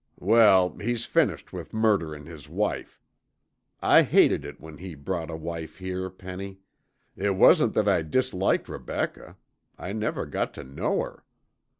"Well, he's finished with murderin' his wife. I hated it when he brought a wife here, Penny. It wasn't that I disliked Rebecca; I never got tuh know her.